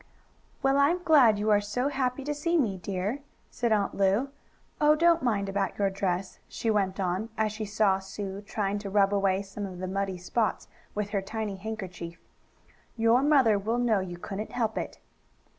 "Well, I'm glad you are so happy to see me, dear," said Aunt Lu. "Oh, don't mind about your dress," she went on, as she saw Sue trying to rub away some of the muddy spots with her tiny handkerchief. "Your mother will know you couldn't help it."